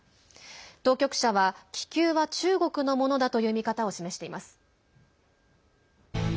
当局者は、気球は中国のものだという見方を示しています。